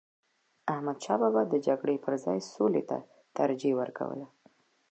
احمدشاه بابا د جګړو پر ځای سولي ته ترجیح ورکوله.